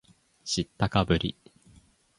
知ったかぶり